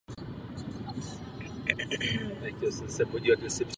Do té doby bylo jejich používání bezplatné.